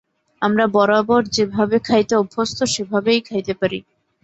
আমরা বরাবর যেভাবে খাইতে অভ্যস্ত, সেভাবেই খাইতে পারি।